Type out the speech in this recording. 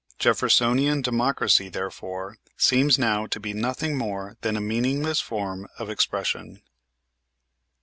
Jeffersonian democracy, therefore, seems now to be nothing more than a meaningless form of expression.